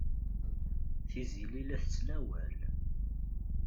Tiziri la tettnawal.